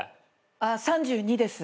あっ３２です。